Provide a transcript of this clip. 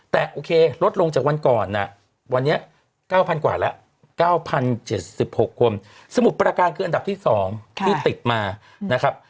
แต่โอเคลดลงจากวันก่อนวันนี้๙๐๐กว่าแล้ว๙๐๗๖คนสมุทรประการคืออันดับที่๒ที่ติดมานะครับ